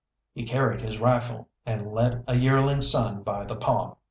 He carried his rifle, and led a yearling son by the paw.